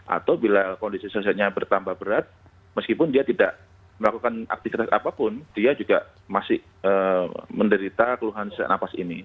atau bila kondisi sesetnya bertambah berat meskipun dia tidak melakukan aktivitas apapun dia juga masih menderita keluhan sesak napas ini